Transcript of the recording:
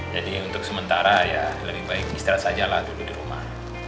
jadi untuk sementara ya lebih baik istirahat sajalah dulu di rumah